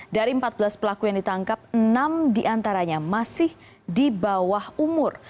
dari empat belas pelaku yang ditangkap enam diantaranya masih di bawah umur